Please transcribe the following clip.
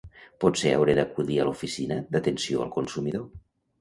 Potser hauré d'acudir a l'oficina d'atenció al consumidor